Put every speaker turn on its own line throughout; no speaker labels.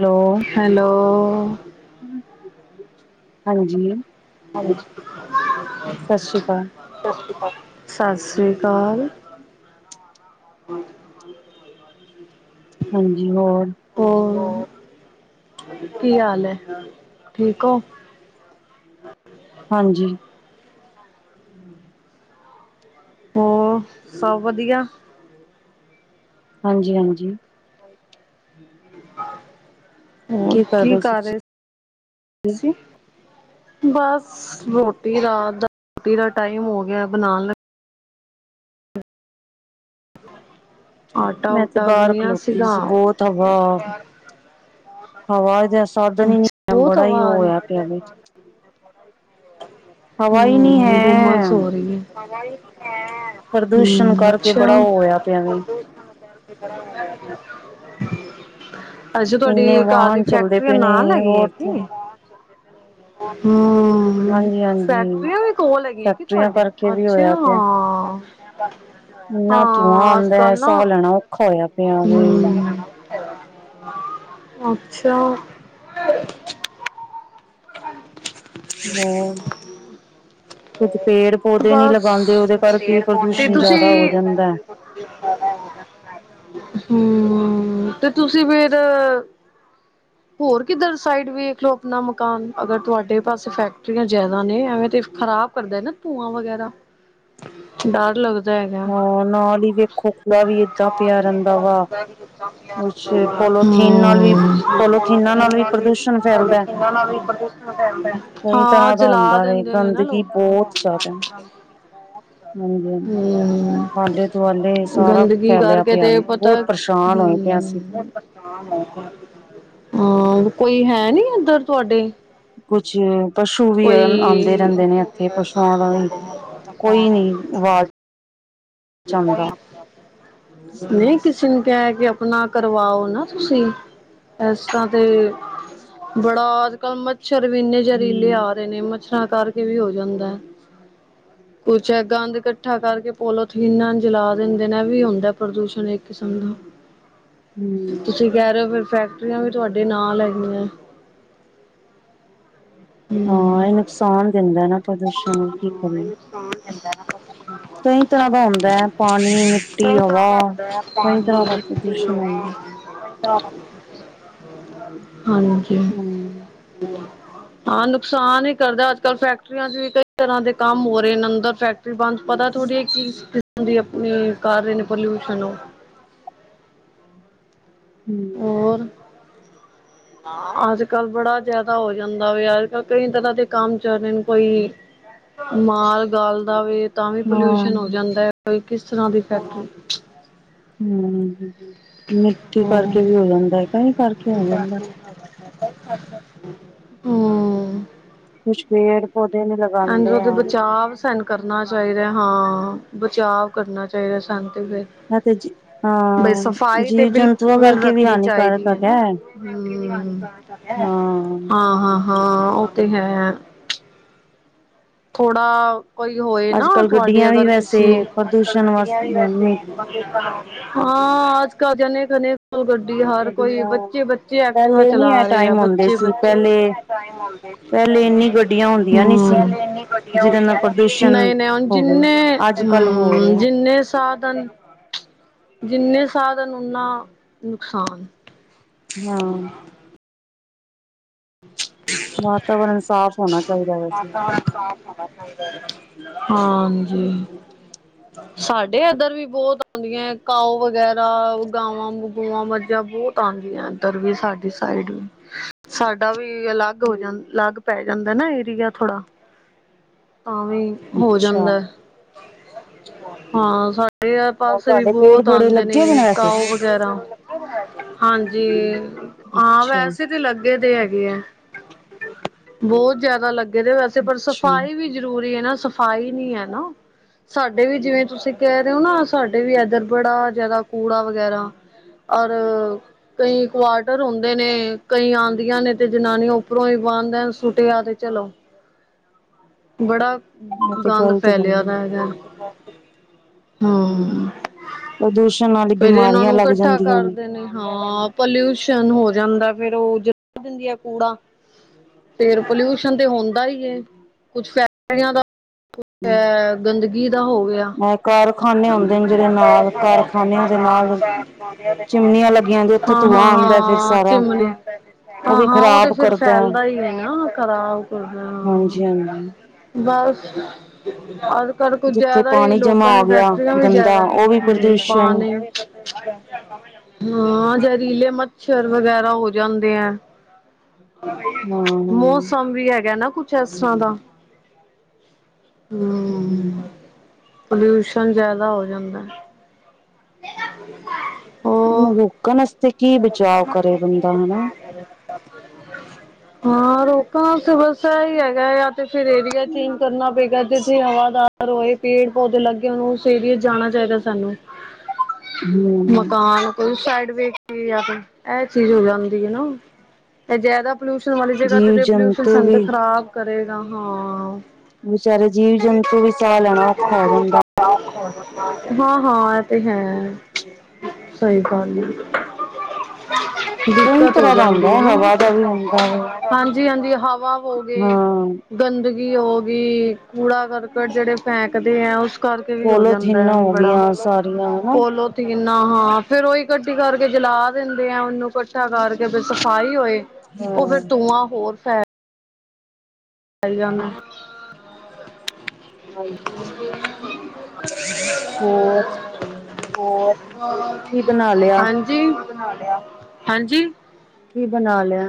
Hello!
Hello!
ਹਾਂਜੀ,
ਹਾਂ
ਸਤਿ ਸ਼੍ਰੀ ਅਕਾਲ।
ਸਤਿ ਸ੍ਰੀ ਅਕਾਲ।
ਹਾਂਜੀ ਹੋਰ?
ਹੋ ਕੀ ਹਾਲ ਏ ਠੀਕ ਹੋ?
ਹਾਂਜੀ
ਹੋਰ ਸਭ ਵਧੀਆ
ਹਾਂਜੀ ਹਾਂਜੀ
ਹੋਰ ਕੀ ਕਰ ਰਹੇ ਸੀ ਤੁਸੀਂ ਬਸ ਰੋਟੀ ਰਾਤ ਦਾ ਰੋਟੀ ਦਾ ਟਾਈਮ ਹੋ ਗਿਆ ਬਣਾਉਣ ਲ ਆਟਾ
ਮੈਂ ਤੇ
ਉਟਾ
ਬਾਹਰ
ਗੁੰਨਿਆ
ਖਲੋਤੀ
ਸੀਗਾ
ਸੀ ਬਹੁਤ ਹਵਾ ਹਵਾ ਦਾ ਸਾਧਨ ਹੀ ਨੀ ਹੈ ਬੜਾ ਹੀ ਉਹ ਹੋਆ ਪਿਆ ਵੀ ਹਵਾ ਹੀ ਨਹੀਂ
ਹਾਂ ਹੋਮਸ
ਹੈ।
ਹੋਈ ਪਈ ਹ ਹੈ
ਪ੍ਰਦੂਸ਼ਣ ਕਰਕੇ ਬੜਾ ਉਹ ਹੋਇਆ ਪਿਆਵੇ
ਪ੍ਰਦੂਸ਼ਣ ਕਰਕੇ ਬੜਾ ਹੋਇਆ ਪਿਆ ਵੇ ਅੱਛਾ
ਇੰਨੇ
ਤੁਹਾਡੀ ਘਰ ਦੀ
ਵਾਹਨ ਚੱਲਦੇ
ਫੈਕਟਰੀਆਂ
ਪਏ ਨੇ
ਨਾਲ ਲੈ ਗਈ
ਹੋਰ ਤੇ
ਹੈਗੀ ਹਮ
ਹਾਂਜੀ, ਹਾਂਜੀ
ਫੈਕਟਰੀਆ ਵੀ ਕੋਲ ਹੈਗੀ ਹੈਗੀ
ਫੈਕਟਰੀਆਂ
ਤੁਹਾਡੇ
ਕਰਕੇ ਵੀ
ਅੱਛਾ
ਹੋਇਆ
ਹਾਂ
ਇਨਾ ਧੂਆਂ
ਅੱਜ
ਆਉਂਦਾ
ਕੱਲ ਨਾ
ਸਾਹ ਲੈਣਾ ਔਖਾ ਹੋਇਆ ਪਿਆ ਵੀ
ਹੂੰ ਅੱਛਾ
ਹਰ ਕੁਝ ਪੇੜ ਪੌਦੇ ਨਹੀਂ
ਬਸ
ਲਗਾਉਂਦੇ ਉਹਦੇ ਕਰ ਕੀ ਪ੍ਰਦੂਸ਼ਣ ਜ਼ਿਆਦਾ ਹੋ ਜਾਂਦਾ।
ਗਰਮੀ ਜਿਆਦਾ ਹੋਈ ਪਈ ਹ ਹਮ ਤੇ ਤੁਸੀਂ ਫਰ ਹੋਰ ਕਿੱਧਰ ਸਾਈਡ ਵੇਖ ਲਓ ਆਪਣਾ ਮਕਾਨ ਅਗਰ ਤੁਹਾਡੇ ਪਾਸੇ ਫੈਕਟਰੀਆਂ ਜ਼ਿਆਦਾ ਨੇ ਐਵੇਂ ਤੇ ਖਰਾਬ ਭਰਦਾ ਨਾ ਧੂੰਆਂ ਵਗੈਰਾ ਡਰ ਲੱਗਦਾ ਹੈਗਾ
ਹਾਂ
ਹੂੰ
ਨਾਲ ਹੀ
ਹੁਣ
ਵੇਖੋ
ਤੇ
ਕੂੜਾ ਵੀ ਏਦਾਂ
ਅੱਖਾਂ
ਪਿਆ
ਵਿੱਚ ਵੀ
ਰਹਿੰਦਾ ਵਾ ਕੁਛ ਪੋਲੋਥੀਨ ਨਾਲ ਵੀ ਪੋਲੋਥੀਨਾਂ ਨਾਲ ਵੀ ਪ੍ਰਦੂਸ਼ਣ ਫੈਲਦਾ
ਬਹੁਤ ਧੂਆਂ
ਕਈ
ਪੈਂਦਾ
ਤਰ੍ਹਾਂ ਦਾ
ਜਲਾ
ਹੁੰਦਾ ਵੇ
ਦਿੰਦੇ ਆ ਨਾ ਨੇ ਨਾ
ਗੰਦਗੀ
ਲੋਕ ਹਮ
ਬਹੁਤ ਜ਼ਿਆਦਾ ਹਾਂਜੀ ਹਾਂਜੀ
[unintelligible] [inaudible]
ਆਲੇ ਦੁਆਲੇ ਸਾਰਾ
ਗੰਦਗੀ
ਫੈਲਿਆ
ਕਰਕੇ
ਪਿਆ
ਤੇ
ਵੇ
ਪਤਾ
ਬਹੁਤ ਪਰੇਸ਼ਾਨ ਹੋਏ ਪਏ ਅਸੀਂ
ਹਾਂ ਕੋਈ ਹੈ ਨੀ ਇੱਧਰ ਤੁਹਾਡੇ
ਕੁਛ ਪਸ਼ੂ ਵੀ
ਕੋਈ
ਆਉਂਦੇ ਰਹਿੰਦੇ ਨੇ ਇੱਥੇ ਪਸ਼ੂਆਂ ਦਾ ਵੀ ਕੋਈ ਨੀ ਆਵਾਜ਼ ਚ
ਕੋਈ
ਆਉਂਦਾ
ਨਹੀਂ ਨਹੀਂ ਕਿਸੇ ਨੂੰ ਕਿਹਾ ਕੇ ਆਪਣਾ ਕਰਵਾਓ ਨਾ ਤੁਸੀਂ ਇਸ ਤਰ੍ਹਾਂ ਤੇ ਬੜਾ ਅੱਜ ਕੱਲ੍ਹ ਮੱਛਰ ਵੀ ਏਨੇ ਜ਼ਹਿਰੀਲੇ
ਹਮ
ਆ ਨੇ ਮੱਛਰਾਂ ਕਰਕੇ ਵੀ ਹੋ ਜਾਂਦਾ ਕੁਛ ਹੈ ਗੰਦ ਇਕੱਠਾ ਕਰਕੇ ਪੋਲੋ ਪੋਲੋ ਥੀਨਾ ਜਲਾ ਦਿੰਦੇ ਨੇ ਵੀ ਹੁੰਦਾ ਪ੍ਰਦੂਸ਼ਣ ਇੱਕ ਕਿਸਮ ਦਾ
ਹਮ
ਤੁਸੀਂ ਕਹਿ ਰਹੇ ਹੋ ਫੈਕਟਰੀਆਂ ਵੀ ਤੁਹਾਡੇ ਨਾਲ ਹੈਗੀਆਂ
ਹਾਂ
ਹਮ
ਇਹ ਨੁਕਸਾਨ ਦਿੰਦਾ ਨਾ ਪ੍ਰਦੂਸ਼ਣ ਨੂੰ ਕੀ ਕਰੀ
ਨੁਕਸਾਨ ਦਿੰਦਾ ਨਾ ਸਾਨੂੰ
ਦਾ ਹੁੰਦਾ ਹੈ
ਸਭ
ਪਾਣੀ
ਕੁਝ
ਮਿੱਟੀ ਹਵਾ
ਗੰਦਾ
ਕਈ
ਪਾਣੀ
ਤਰ੍ਹਾਂ ਦਾ
ਮਿੱਟੀ
ਪ੍ਰਦੂਸ਼ਣ ਹੁੰਦਾ
ਹਵਾ ਹਾਂਜੀ
ਹਮ
ਹਾਂ ਨੁਕਸਾਨ ਹੀ ਕਰਦਾ ਅੱਜ ਕੱਲ੍ਹ ਫੈਕਟਰੀਆਂ ਚ ਵੀ ਕਈ ਤਰ੍ਹਾਂ ਦੇ ਕੰਮ ਹੋ ਰਹੇ ਨੇ ਅੰਦਰ ਫੈਕਟਰੀ ਬ ਪਤਾ ਥੋੜ੍ਹੀ ਹੈ ਕਿ ਕਿਸਮ ਦੀ ਆਪਣੇ ਕਰ ਰਹੇ ਨੇ ਪੋਲਿਊਸ਼ਨ
ਹਮ
ਹੋਰ ਅੱਜ ਕੱਲ ਬੜਾ ਜਿਆਦਾ ਹੋ ਜਾਂਦਾ ਵ ਅੱਜ ਕੱਲ ਕਈ ਤਰ੍ਹਾਂ ਦੇ ਕੰਮ ਚੱਲਦੇ ਨੇ ਕੋਈ ਮਾਲ ਗਾਲਦਾ ਵੇ ਤਾਂ ਵੀ
ਹਾਂ
ਪੋਲਿਊਸ਼ਨ ਹੋ ਜਾਂਦਾ ਹੈ ਕਿਸ ਤਰ੍ਹਾਂ ਦੀ ਫੈਕਟ
ਹਮ ਮਿੱਟੀ
ਹਮ
ਕਰਕੇ ਵੀ ਹੋ ਜਾਂਦਾ ਹੈ ਕਈ ਕਰਕੇ ਹੋ ਜਾਂਦਾ
ਏਦਾਂ ਵੀ
ਕੁਛ ਪੇੜ ਪੌਦੇ ਨੂੰ
ਐਂਡ
ਲਗਾਉਂਦੇ
ਉਹਦੇ
ਹੈ
ਬਚਾਵ ਸਾਨੂੰ ਕਰਨਾ ਚਾਹੀਦਾ ਹਾਂ ਬਚਾਅ ਕਰਨਾ ਚਾਹੀਦਾ ਸਾਨੂੰ ਤਾਂ ਫਿਰ।
ਇਹ ਤੇ
ਬਈ
ਹਾਂ
ਸਫ਼ਾਈ ਤੇ
ਜੀਵ ਜੰਤੂਆਂ
ਬਿਲਕੁਲ
ਕਰਕੇ ਵੀ
ਰੱਖਣੀ
ਹਾਨੀਕਾਰਕ
ਚਾਹੀਦੀ ਹੈ ਨਾ
ਹੈਗਾ ਹਾਂ
ਹਾਂ, ਹਾਂ, ਹਾਂ, ਉਹ ਤੇ ਹੈ। ਥੋੜਾ ਕੋਈ ਹੋਏ ਨਾ,
ਅੱਜ ਕੱਲ
ਤੁਹਾਡੀੇ
ਗੱਡੀਆਂ ਵੀ
ਅਗਰ ਕਿਸੇ
ਵੈਸੇ
ਹਾਂ
ਪ੍ਰਦੂਸ਼ਣ ਵਾਸ
ਅੱਜ ਕੱਲ ਜਣੇੇ ਖਨੇ ਗੱਡੀ ਹਰ ਕੋਈ,
ਗੱਡੀਆਂ
ਬੱਚੇ ਬੱਚੇ ਐਕਟਿਵਾ
ਪਹਿਲੇ ਨੀ
ਚਲਾ
ਇਹ
ਰਹੇ ਆ,
ਟਾਈਮ ਹੁੰਦੇ ਸੀ
ਬੱਚੇ-ਬੱਚੇ,
ਪਹਿਲੇ ਪਹਿਲੇ ਇੰਨੀ ਗੱਡੀਆਂ ਹੁੰਦੀਆਂ ਨਹੀਂ ਸੀ
[unintelligible]
ਜਿਹਦੇ ਨਾਲ ਪ੍ਰਦੂਸ਼ਣ
ਨਹੀਂ, ਨਹੀਂ ਹੁਣ
ਹੋਵੇ
ਜਿੰਨੇ
ਅੱਜ ਕੱਲ
ਹੂੰ
ਹੋ
ਜਿੰ
ਰਿਹਾ
ਕਿੰਨੇ ਸਾਧਨ ਜਿੰਨੇ ਸਾਧਨ ਓਨਾ ਨੁਕਸਾਨ,
ਹਾਂ, ਵਾਤਾਵਰਨ ਸਾਫ਼ ਹੋਣਾ ਚਾਹੀਦਾ ਵੈਸੇ
[unintelligible] ਹਾਂਜੀ ਸਾਡੇ ਇੱਧਰ ਵੀ ਬਹੁਤ ਆਉਂਦੀਆਂ, ਕਾਓ ਵਗੈਰਾ ਗਾਵਾ-ਗੂਵਾ, ਮੱਝਾਂ ਬਹੁਤ ਦੀ ਆ ਇੱਧਰ ਵੀ ਸਾਡੀ ਸਾਈਡ ਵੀ, ਸਾਡਾ ਵੀ ਅਲੱਗ ਹੋ ਜਾਂ ਅਲੱਗ ਪੈ ਜਾਂਦਾ ਨਾ ਏਰੀਆ ਥੋੜਾ, ਤਾਂ ਵੀ ਹੋ
ਅੱਛਾ
ਜਾਂਦਾ। ਹਾਂ ਸਾਡੇ ਵੀ
ਹੋਰ
ਪਾਸੇ ਵੀ
ਤੁਹਾਡੇ ਪੇੜ
ਬਹੁਤ
ਪੌੜੇ
ਆਉਂਦੇ ਨੇ
ਲੱਗੇ ਦੇ ਵੈਸੇ
ਕਾਓ ਹਾਂਜੀ, ਹਾਂ
ਅੱਛਾ
ਵੈਸੇ ਤੇ ਲੱਗੇ। ਲੱਗੇ ਦੇ ਹੈਗੇ ਹੈ, ਬਹੁਤ ਜਿਆਦਾ ਲੱਗੇ ਦੇ ਵੈਸੇ ਪਰ
ਅੱਛਾ
ਸਫ਼ਾਈ ਵੀ ਜ਼ਰੂਰੀ ਹੈ ਨਾ, ਸਫ਼ਾਈ ਨੀ ਹੈ ਨਾ। ਸਾਡੇ ਵੀ ਜਿਵੇਂ, ਤੁਸੀਂ ਕਹਿ ਰਹੇ ਹੋ ਨਾ ਸਾਡੇ ਵੀ ਇੱਧਰ ਬੜਾ ਜ਼ਿਆਦਾ ਕੂੜਾ ਵਗੈਰਾ, ਔਰ ਕਈ ਕੁਆਟਰ ਹੁੰਦੇ ਨੇ, ਕਈ ਆ। ਆਂ ਨੇ ਤੇ ਜਨਾਨੀਆਂ ਉੱਪਰੋਂ ਹੀ ਬਾਂਦਾ ਸੁੱਟਿਆ ਤੇ ਚਲੋ, ਬੜਾ
ਇਹ ਤੇ
ਗੰਦ
ਗ਼ਲਤ ਗੱਲ
ਫੈਲਿਆ ਪਿਆ ਹੈਗਾ,
ਹੈ।
ਹੂੰ।
ਪ੍ਰਦੂਸ਼ਣ ਵਾਲੀ
ਫੇਰ ਇਹਨਾਂ
ਬਿਮਾਰੀਆਂ
ਨੂੰ
ਲੱਗ
ਇਕੱਠਾ
ਜਾਂਦੀਆਂ
ਕਰਦੇ ਨੇ ਹਾਂ ਪੋਲਿਊਸ਼ਨ ਹੋ ਜਾਂਦਾ, ਫੇਰ ਉਹ ਜਲਾ ਦਿੰਦੀ ਹੈ, ਕੂੜਾ ਫੇਰ ਪੋਲਿਊਸ਼ਨ ਤੇ ਹੁੰਦਾ ਹੀ ਐ ਕੁੱਛ ਫ [unintelligible] ੜੀਆਂ ਦਾ ਆ ਗੰਦਗੀ ਦਾ ਹੋ ਗਿਆ।
ਇਹ ਕਾਰਖਾਨੇ ਹੁੰਦੇ ਨੇ ਜਿਹੜੇ ਨਾਲ ਕਾਰਖਾਨਿਆਂ ਦੇ ਨਾਲ ਚਿਮਨੀਆਂ ਲੱਗੀਆਂ ਹੁੰਦੀਆਂ, ਉੱਥੋਂ
ਹਾਂ, ਹਾਂ,
ਧੂੰਆਂ ਆਉਂਦਾ ਫਿਰ
ਹਾਂ,
ਸਾਰਾ
ਚਿਮਨੀ ਹਾਂ,
ਵੀ
ਹਾਂ ਉਹ ਤੇ
ਖ਼ਰਾਬ
ਫੇਰ
ਕਰਦਾ
ਫੈਲਦਾ ਹੀ ਹੈ ਨਾ, ਖਰਾਬ ਹਾ।
ਹਾਂਜੀ ਹਾਂਜੀ
ਬਸ ਰ ਕਰ ਕੁਝ
ਜਿੱਥੇ
ਜ਼ਿਆਦਾ ਹੀ
ਪਾਣੀ ਜਮਾ
ਲੋਕਾਂ
ਹੋ
ਦੀ
ਗਿਆ
ਫੈਕਟਰੀਆਂ ਵੀ
ਗੰਦਾ
ਜ਼ਿਆਦਾ
ਉਹ ਵੀ
ਹੂੰ
ਪ੍ਰਦੂਸ਼ਣ
ਪਾਣੀ, ਹਾਂ ਜ਼ਹਿਰੀਲੇ ਮੱਛਰ ਵਗੈਰਾ ਹੋ ਜਾਂਦੇ ਆ।
ਹੂੰ
ਮੌਸਮ ਵੀ ਹੈਗਾ, ਨਾ ਕੁਛ ਇਸ ਤਰ੍ਹਾਂ ਦਾ ਹੂੰ, ਪਲਿਊਸ਼ਨ ਜਿਆਦਾ ਹੋ ਜਾਂਦਾ। [unintelligible]
ਰੋਕਣ ਵਾਸਤੇ ਕੀ ਬਚਾਅ ਕਰੇ ਬੰਦਾ ਹਨਾ।
ਹਾਂ ਰੋਕਣ ਵਾੲਤੇ ਆ ਹੀ ਹੈਗਾ, ਯਾਰ ਤੇ ਫੇਰ ਏਰੀਆ ਚੇਂਜ ਕਰਨਾ ਪਏਗਾ, ਜਿੱਥੇ ਹ ਰੋਏ ਪੇੜ ਪੌਦੇ ਲੱਗੇ, ਉਹਨੂੰ ਏਰੀਏ ਜਾਣਾ ਚਾਹੀਦਾ ਸਾਨੂੰ,
ਹੂੰ
ਮਕਾਨ ਕੋਈ ਸਾਈਡ ਵੇਖ, ਆਪ ਇਹ ਚੀਜ਼ ਹੋ ਜਾਂਦੀ ਹੈ ਨਾ, ਇਹ ਜ਼ਿਆਦਾ ਪੋਲਿਊਸ਼ਨ ਵਾਲੀ ਜਗ੍ਹਾ ਤੇ,
ਜੀਵ
ਤੇਪੋਲਿਊਸ਼ਨ
ਜੰਤੂ
ਸੰਤ
ਵੀ
ਖਰਾਬ ਕਰੇਗਾ ਹਾਂ।
ਵਿਚਾਰੇ ਜੀਵ-ਜੰਤੂ ਵੀ ਸਾਹ ਲੈਣਾ ਔਖਾ ਹੋ ਜਾਂਦਾ।
ਹਾਂ-ਹਾਂ, ਇਹ ਤੇ ਹੈ ਸਹੀ ਗੱਲ,
ਕਈ
ਦਿੱਕਤ ਹੋ
ਤਰ੍ਹਾਂ ਦਾ ਹੁੰਦਾ,
ਜਾਂਦੀ ਹੈ ਨਾ
ਹਵਾ ਦਾ ਵੀ ਹੁੰਦਾ ਵ ਹੂੰ,
ਹਾਂਜੀ ਹਾਂਜੀ ਹਵਾ ਹੋ ਗਏ ਗੰਦਗੀ ਹੋ ਗਈ, ਕੂੜਾ ਕਰਕਟ ਜਿਹੜੇ ਫੇਕਦੇ ਆ ਉਸ ਕਰਕੇ ਵੀ ਹੋ ਜਾਂਦਾ ਹੈ,
ਪੋਲੋਥੀਨਾਂ ਹੋ
ਬੜਾ
ਗਈਆਂ ਸਾਰੀਆਂ ਹਨਾ
ਪੋਲੋ ਹਾਂ ਫੇਰ ਉਹੀ ਇਕੱਠੀ ਕਰਕੇ ਜਲਾ ਦਿੰਦੇ ਆ, ਉਹਨੂੰ ਕੱ ਤਾਂ ਕਰਕੇ ਫੇਰ ਸਫ਼ਾਈ ਹੋਏ
ਹਾਂ
ਉਹ ਫੇਰ ਤੂੰਆਂ ਹੋਰ ਹਰਿਆਣਾ
ਹਾਂਜੀ।
[inaudible]
ਹੋਰ?
ਹੋਰ
ਕੀ ਬਣਾ ਲਿਆ
ਹਾਂਜੀ-ਹਾਂਜੀ ਬਣਾ ਲਿਆ
ਕੀ ਬਣਾ ਲਿਆ,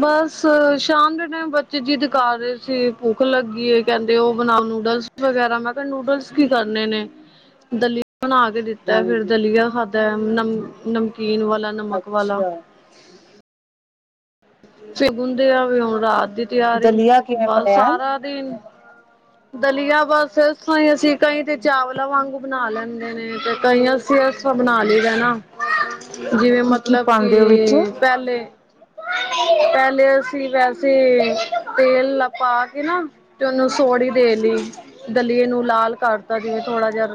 ਬਸ ਸ਼ਾਮ ਦੇ ਟਾਈਮ ਬ ਚ ਜੀ ਦਿਖਾ ਰਹੇ ਸੀ ਭੁੱਖ ਲੱਗੀ ਕਹਿੰਦੇ ਉਹ ਬਣਾ ਨੂਡਲਸ ਵਗੈਰਾ ਮੈਂ ਨੂਡਲਸ ਕੀ ਕਰਨੇ ਨੇ ਦਲੀਆ ਬਣਾ ਕੇ ਦਿੱ ਤਾ ਫਿਰ
ਹਾਂਜੀ
ਦਲੀਆ ਖਾਧਾ ਨਮ ਨਮਕੀਨ ਵਾਲਾ ਨਮਕ ਵਾਲਾ,
ਅੱਛਾ
ਗੁੰਦੇ ਆ ਵੀ ਹੁਣ ਰਾਤ ਦੀ ਤਿਆਰੀ
ਦਲੀਆ ਕਿਵੇਂ
ਬਸ
ਬਣਿਆ
ਸਾਰਾ ਦਿਨ ਦਲੀਆ ਬਸ ਤਹੀ ਅਸੀਂ ਕਈ ਤੇ ਚਾਵਲਾਂ ਵਾਂਗੂ ਬਣਾ ਲੈਂਦੇ ਨੇ ਤੇ ਕਈ ਫੇਰ ਬਣਾ ਲਈਦਾ ਨਾ,
[inaudible]
ਜਿਵੇਂ
ਕੀ-ਕੀ
ਮਤਲਬ
ਪਾਂਦੇ ਓ ਵਿੱਚ?
ਕਿ ਪਹਿਲੇ ਪਹਿਲੇ ਅਸੀਂ ਵੈਸੇ ਤੇਲ ਪਾ ਕੇ ਨਾ ਤੇ ਉਹਨੂੰ ਸੋਹੜੀ ਦੇ ਲਈ ਦਲੀਏ ਨੂੰ ਲਾਲ ਕਰਤਾ ਜਿਵੇਂ ਥੋੜਾ ਜਿਹਾ,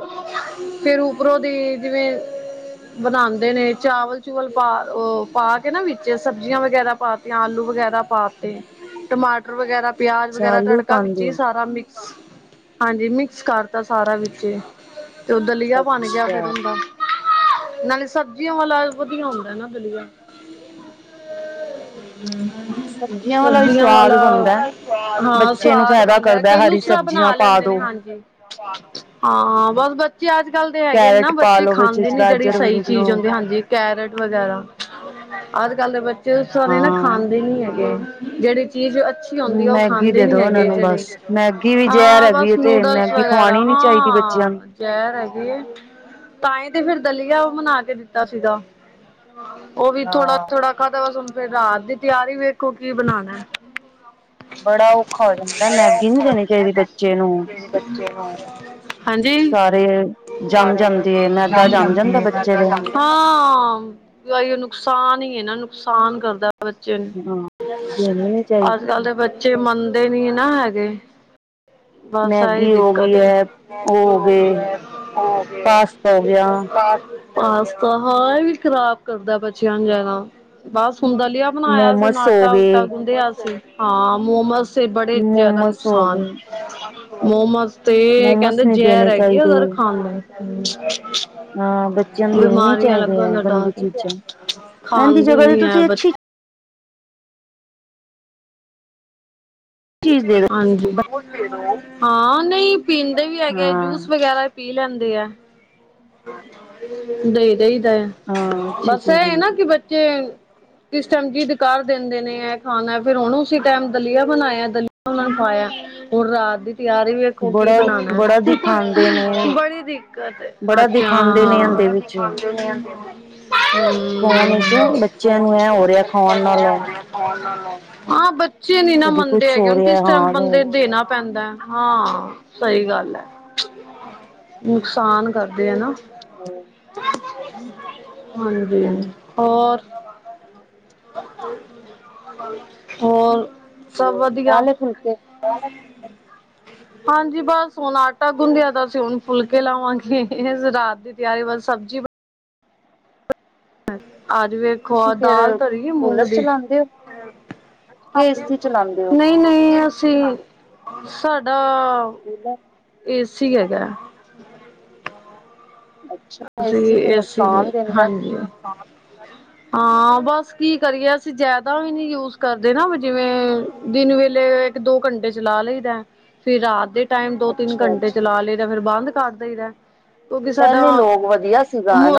ਫੇਰ ਉਪਰੋਂ ਦੀ ਜਿਵੇਂ ਬਣਾਉਂਦੇ ਨੇ ਚਾਵਲ-ਚੂਵਲ ਪਾ, ਪਾ ਕੇ ਨਾ ਵਿੱਚ ਸਬਜ਼ੀਆਂ ਵਗੈਰਾ ਪਾ ਤੇ ਆਲੂ ਵਗੈਰਾ ਪਾ ਤੇ, ਟਮਾਟਰ ਵਗੈਰਾ ਪਿਆਜ
ਅੱਛਾ
ਵਗੈਰਾ
ਆਲੂ
ਤੜਕਾ ਵਿੱਚ
ਪਾਂਦੇ
ਹੀ
ਓ,
ਸਾਰਾ ਮਿਕਸ ਹਾਂਜੀ ਮਿਕਸ ਕਰਤਾ ਸਾਰਾ ਵਿੱਚ, ਤੇ ਉਹ ਦਲੀਆ ਬਣ ਗਿਆ ਫੇਰ
ਅੱਛਾ।
ਹੁੰਦਾ, ਨਾਲੀ ਸ ਵਾਲਾ ਵਧੀਆ ਹੁੰਦਾ ਨਾ ਦਲੀਆ, ਹਮ,
ਵਾਲਾ ਵੀ
ਸਬਜ਼ੀਆਂ
ਸਵਾਦ
ਵਾਲਾ
ਬਣਦਾ।
ਹਾਂ,
ਬੱਚੇ ਨੂੰ
ਸਵਾਦ
ਫਾਇਦਾ
ਬਣਦਾ
ਕਰਦਾ
ਕਈ
ਹਰੀ
ਦੂਸਰਾ
ਸਬਜ਼ੀਆਂ
ਬਣਾ
ਪਾ
ਲੈਂਦੇ ਨੇ
ਦੋ।
ਹਾਂਜੀ। ਹਾਂ ਬਸ ਬੱਚੇ ਅੱਜ-ਕੱਲ ਦੇ ਹੈਗੇ ਨਾ
ਕੈਰਟ ਪਾ
ਬੱਚੇ
ਲੋ ਵਿੱਚ
ਖਾਂਦੇ ਨੀ ਜਿਹੜੀ
ਗਾਜਰ
ਸਹੀ
ਗੁਜਰੋ
ਚੀਜ਼ ਹੁੰਦੀ ਹਾਂਜੀ। ਕੈਰਟ ਵਗੈਰਾ, ਅੱਜ-ਕੱਲ੍ਹ ਦੇ ਬੱਚੇ ਸਾਰੇ ਨਾ
ਹਾਂ।
ਖਾਂਦੇ ਨੀ ਹੈਗੇ ਜਿਹੜੀ ਚੀਜ਼ ਅੱਛੀ ਹੁੰਦੀ ਆ ਉਹ
ਮੈਗੀ
ਖਾਂਦੇ
ਦੇ
ਨੀ
ਦੋ ਉਹਨਾਂ
ਹੈਗੇ
ਨੂੰ
ਜਿਹੜੇ,
ਬਸ। ਮੈਗੀ ਵੀ ਜ਼ਹਿਰ
ਹਾਂ
ਹੈਗੀ
ਬਸ
ਤੇ
ਨੂਡਲਸ ਵ
ਮੈਗੀ ਖਵਾਣੀ ਨੀ ਚਾਹੀਦੀ ਬੱਚਿਆਂ
ਹਾਂ
ਨੂੰ।
ਸ਼ਹਿਰ ਹੈਗੀ, ਤਾਂਹੀ ਤੇ ਫਿਰ ਦਲੀਆ ਬਨਾ ਕੇ ਦਿੱਤਾ ਸੀਗਾ, ਉਹ ਵੀ
ਹਾਂ,
ਥੋੜਾ-ਥੋੜਾ ਖਾਦਾ ਵ ਫਿਰ ਰਾਤ ਦੀ ਤਿਆਰੀ ਵੇਖੋ ਕੀ ਬਣਾਉਣਾ,
ਬੜਾ ਔਖਾ ਹੋ ਜਾਂਦਾ ਮੈਗੀ ਨੀ ਦੇਣੀ ਚਾਹੀਦੀ ਬੱਚੇ ਨੂੰ।
ਬੱਚੇ ਹਾਂਜੀ,
ਸਾਰੇ ਜੰਮ
ਸਾਰੇ
ਜਾਂਦੇ ਮੈਦਾ
ਜਮ
ਜੰਮ ਜਾਂਦਾ
ਚਲਦੀ
ਬੱਚੇ ਦੇ
ਹਾਂ ਈਓ ਨੁਕਸਾਨ ਹੀ ਹੈ ਨਾ ਨੁਕਸਾਨ ਕਰਦਾ, ਬੱਚੇ ਨੂੰ
ਹਾਂ। ਦੇਣੀ ਨੀ ਚਾਹੀਦੀ।
ਅੱਜ-ਕੱਲ ਦੇ ਬੱਚੇ ਮੰਨਦੇ ਨੀ ਨਾ ਹੈਗੇ
[inaudible]
ਬਸ ਆਹੀ
ਮੈਗੀ ਹੋ ਗਈ
ਦਿੱਕਤ ਏ
ਹੈ ਉਹ ਹੋ ਗਏ ਪਾਸਤਾ ਹੋ ਗਿਆ
ਪਾਸਤਾ ਹਾਂ ਇਹ ਵੀ ਖ਼ਰਾਬ ਕਰਦਾ ਬਚਿਆਂ ਨੂੰ ਜ਼ਿਆਦਾ ਬਸ ਹੁੰਦਾ ਲਿਆ ਬਣਾਇਆ ਸੀ
ਮੋਮਸ ਹੋ
ਆਟਾ
ਗਏ
ਉਤਾ ਗੁੰਦੀਆ ਸੀ ਹਾਂ ਮੋਮੋਸ ਸੀ ਬੜੇ ਜਿਆਦਾ
ਮੋਮਸ ਹੋ
ਨੁਕਸਾਨ,
ਗਏ
ਮੋਮੋਜ਼, ਤੇ
ਮੋਮਸ
ਕਹਿੰਦੇ
ਨਹੀਂ
ਜ਼ਹਿਰ
ਦੇਣੇ
ਹੈਗੀ
ਚਾਹੀਦੇ
ਆਰ ਖਾਨ,
ਹਾਂ ਬੱਚਿਆਂ ਨੂੰ ਦੇਣੇ ਨੀ
ਬਿਮਾਰੀਆਂ
ਚਾਹੀਦੇ
ਲੱਗਣ
ਹੈ
ਦਾ
ਗੰਦੀ
ਡਰ,
ਚੀਜ਼ਾਂ
ਨੂੰ
ਇਹਦੀ
ਖਾਂਦੇ
ਜਗ੍ਹਾ ਤੇ
ਨੀ ਹੈ
ਤੁਸੀਂ
ਬ
ਅੱਛੀ ਚੀਜ਼ ਦੇ ਦੋ
ਹਾਂਜੀ ਹਾਂ ਨਹੀਂ ਪੀਂਦੇ ਵੀ ਹੈਗੇ
ਹਾਂ
ਜੂਸ ਵਗੈਰਾ, ਪੀ ਲੈਂਦੇ ਆ। ਦੇਈ ਦੇਈਦਾ ਹੈ
ਹਾਂ ਅੱਛੀ
ਬਸ
ਚੀਜ਼
ਇਹ ਨਾ ਕਿ ਬੱਚੇ ਕਿਸ ਟਾਈਮ ਜੀਦ ਕਰ ਦਿੰਦੇ ਨੇ ਹੈ ਖਾਣਾ ਫਿਰ ਉਹਨੂੰ ਉਸ ਟਮ ਦਲੀਆ ਬਣਾਇਆ ਦਲੀਆ ਉਹ ਨੂੰ ਖਾਇਆ ਹੁਣ ਰਾਤ ਦੀ ਤਿਆਰੀ ਵੀ ਵਖੋ ਕੀ
ਬੜਾ
ਬਣਾਉਣਾ
ਬੜਾ ਦਿਖਾਉਂਦੇ ਨੇ
ਬੜੀ ਦਿੱਕਤ ਹੈ।
ਬੜਾ
ਅੱਛਾ
ਦਿਖਾਉਂਦੇ ਨੇ ਇਹਦੇ
ਹਾਂ
ਵਿੱਚ
ਹੂੰ
ਫੋਨ ਵਿਚ ਬੱਚਿਆਂ ਨੂੰ ਐ ਹੋ ਰਿਹਾ ਖਾਣ ਨਾਲ
[unintelligible] ਹਾਂ, ਬੱਚੇ ਨੀ ਨਾ
ਕਦੀ
ਮੰਨਦੇ
ਕੁਛ
ਹੈਗੇ।
ਹੋ
ਉਹਨੂੰ
ਰਿਹਾ
ਕਿਸ ਟਾਈਮ
ਹਾਂ ਲਾ
ਬੰਦੇ ਦੇਣਾ ਪੈਂਦਾ। ਹਾਂ, ਸਹੀ ਗੱਲ ਹੈ। ਨੁਕਸਾਨ ਕਰਦੇ ਆ ਨਾ।
ਹੂੰ।
ਹਾਂਜੀ, ਹੋਰ? ਹੋਰ, ਸਭ ਵਧੀਆ?
ਲਏ ਫੁਲਕੇ
ਹਾਂਜੀ, ਬਸ ਹੁਣ ਆਟਾ ਗੁੰਦਿਆ। ਦਾ ਸੁਣ ਫੁਲਕੇ ਲਾਵਾਂਗੇ। ਰਾਤ ਦੀ, ਤਿਆਰੀ ਬਸ ਸਬਜ਼ੀ। ਆਜੋ ਫੇਰ। ਖੋ
ਤੁਸੀਂ ਫੇਰ
ਦਾਲ, ਧਰੀ ਮੂੰਗ
ਕੂਲਰ
ਦੀ,
ਚਲਾਉਂਦੇ ਹੋ ਕਿ ਏਸੀ ਚਲਾਉਂਦੇ ਹੋ
ਨਹੀਂ। ਅਸੀਂ, ਸਾਡਾ।
ਪਲ [unintelligible]
ਏਸੀ ਹੈਗਾ।
ਅੱਛਾ,
ਅਸੀਂ
ਏਸੀ ਤੇ ਨੁਕਸਾਨ ਦਿੰਦਾ।
ਹਾਂਜੀ ਹਾਂ, ਬਸ ਕੀ ਕਰੀਏ। ਅਸੀਂ ਜਿਆਦਾ ਵੀ ਨੀ, ਯੂਜ ਕਰਦੇ ਨਾ। ਜਿਵੇਂ ਦਿਨ ਵੇਲੇ। ਦੋ ਘੰਟੇ ਚਲਾ ਲਈਦਾ। ਫੇਰ ਰਾਤ ਦੇ। ਟਾਈਮ ਦੋ, ਤਿੰਨ
ਅੱਛਾ
ਘੰਟੇ
ਅੱਛਾ
ਚਲਾ ਲਏ ਜਾਂ। ਫੇਰ ਬੰਦ ਕਰ ਦੇਈਦਾ।
ਪਹਿਲੇ ਲੋਕ, ਵਧੀਆ ਸੀਗਾ, ਹਨਾ।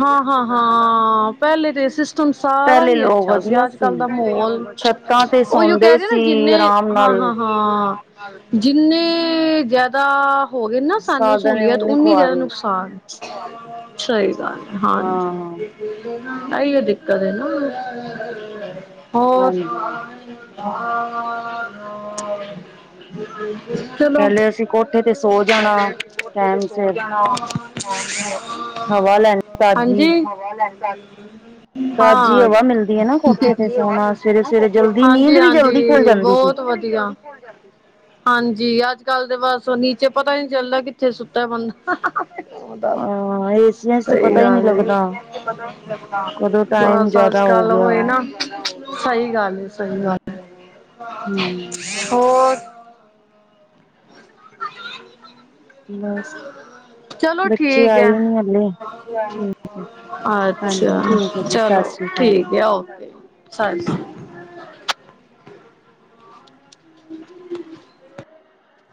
ਹਾਂ ਹਾਂ ਹਾਂ ਪਹਿਲੇ ਤੇ। ਸੰਸਾਰਾ
ਪਹਿਲੇ
ਹੀ
ਲੋਕ
ਅੱਛਾ ਸੀ।
ਵਧੀਆ
ਅੱਜ ਕੱਲ ਦਾ ਮਾਹੌਲ,
ਛੱਤਾਂ ਤੇ
ਉਹ ਜੋ
ਸੌਂਦੇ
ਕਹਿਦੇ ਨਾ।
ਸੀ
ਜਿੰਨੇ
ਆਰਾਮ
ਹਾਂ ਹਾਂ
ਨਾਲ
ਹਾਂ। ਹਾਂ, ਜਿੰਨੇ ਜ਼ਿਆਦਾ। ਹੋ ਗਏ ਨਾ, ਸਾਨੂੰ
ਸਾਧਨ ਨੇ
ਸਹੂਲੀਅਤ। ਉਨੀ ਜ਼ਿਆਦਾ
ਖੁਆਰੀ
ਨੁਕਸਾਨ। ਸਹੀ ਗੱਲ, ਹਾਂਜੀ,
ਹਾਂ
ਆਹੀ ਹੋ ਦਿੱਕਤ ਹੈ ਨਾ। ਹੋਰ?
ਹਾਂਜੀ
ਚਲੋ
ਪਹਿਲੇ ਅਸੀਂ ਕੋਠੇ ਤੇ ਸੋ ਜਾਣਾ ਟਾਈਮ
ਸੋ
ਸਿਰ
ਜਾਣਾ।
ਹਵਾ ਲੈਣੀ
ਹਾਂਜੀ।
ਤਾਜ਼ੀ ਤਾਜ਼ੀ
ਹਾਂ,
ਹਵਾ ਮਿਲਦੀ ਹੈ ਨਾ ਕੋਠੇ ਤੇ ਸੋਣਾ ਸਵੇਰੇ ਸਵੇਰੇ ਜਲਦੀ ਨੀਂਦ
ਹਾਂਜੀ-
ਵੀ ਜਲਦੀ ਖੁੱਲ
ਹਾਂਜੀ,
ਜਾਂਦੀ ਸੀ
ਬਹੁਤ ਵਧੀਆ। ਵਧੀਆ। ਹਾਂਜੀ, ਅੱਜ ਕੱਲ ਤੇ ਬਸ ਨੀਚੇ, ਪਤਾ ਨਹੀਂ ਚੱਲਦਾ ਕਿੱਥੇ ਸੁੱਤਾ ਬੰਦਾ। ਉਹ ਤਾਂ ਹੀ।
ਹਾਂ ਏਸੀਆਂ ਚ ਤੇ
ਸਹੀ
ਪਤਾ ਹੀ ਨਹੀਂ
ਗੱਲ ਏ।
ਲੱਗਦਾ ਕਦੋਂ ਟਾਈਮ
ਬਸ- ਬਸ,
ਜਿਆਦਾ
ਕਲ ਹੋ ਏ
ਗਿਆ
ਨਾ। ਸਹੀ ਗੱਲ ਹੈ, ਸਹੀ ਗੱਲ ਹੈ।
ਹੂੰ
ਹੋਰ? ਹ [unintelligible]
ਬਸ
ਚਲੋ
ਬੱਚੇ
ਠੀਕ
ਆਏ
ਹੈ।
ਨੀ ਹਲੇ ਠੀਕ, ਹਾਂਜੀ
ਅੱਛਾ,
ਠੀਕ ਹੈ ਜੀ ਸਤਿ
ਚਲੋ
ਸ੍ਰੀ ਅਕਾਲ
ਠੀਕ ਆ, ਓਕੇ ਸ [unintelligible]